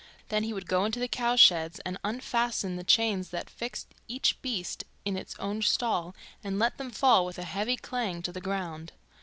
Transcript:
Then he would go into the cowsheds and unfasten the chains that fixed each beast in its own stall, and let them fall with a heavy clang to the ground.